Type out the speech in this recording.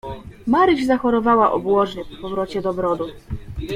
"Maryś zachorowała obłożnie po powrocie do Brodu."